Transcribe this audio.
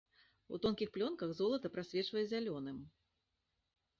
У тонкіх плёнках золата прасвечвае зялёным.